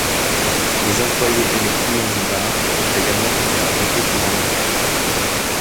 Les employés et les clients du bar ont également été arrêtés pendant l'enquête.